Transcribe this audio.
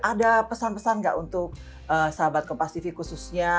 ada pesan pesan gak untuk sahabat kompas tv khususnya